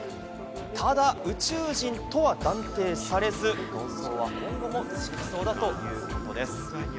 ただ、宇宙人とは断定されず、論争は今後も続きそうだということです。